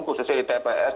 khususnya di tps